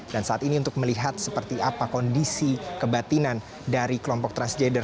dan saat ini untuk melihat seperti apa kondisi kebatinan dari kelompok transgender